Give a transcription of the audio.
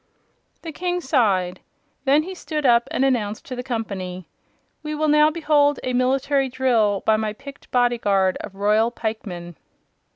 The King sighed. Then he stood up and announced to the company: "We will now hold a military drill by my picked Bodyguard of Royal Pikemen."